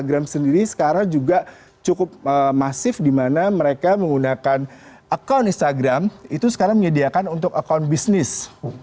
instagram sendiri sekarang juga cukup masif di mana mereka menggunakan akun instagram itu sekarang menyediakan untuk account bisnis